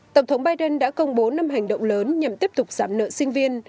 tổng thống biden đã công bố năm hành động lớn nhằm tiếp tục giảm nợ sinh viên